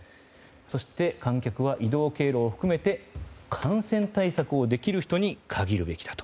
そして、観客は移動経路を含めて感染対策をできる人に限るべきだと。